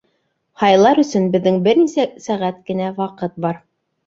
Һайлар өсөн беҙҙең бер-нисә сәғәт кенә ваҡыт бар.